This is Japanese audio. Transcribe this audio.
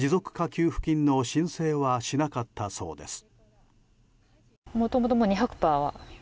給付金の申請はしなかったそうです。